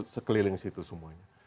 sekeliling situ semuanya